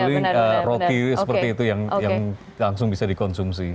jadi beli roti seperti itu yang langsung bisa dikonsumsi